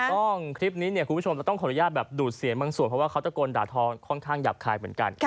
ถูกต้องคลิปนี้เนี่ยคุณผู้ชมเราต้องขออนุญาตแบบดูดเสียงบางส่วนเพราะว่าเขาตะโกนด่าทอค่อนข้างหยาบคายเหมือนกัน